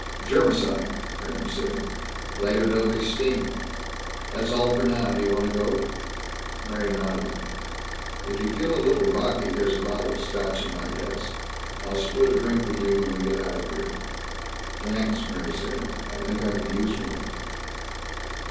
"Germicide," Kramer said. "Later there'll be steam. That's all for now. Do you want to go?" Mary nodded. "If you feel a little rocky there's a bottle of Scotch in my desk. I'll split a drink with you when we get out of here." "Thanks," Mary said. "I think I could use one."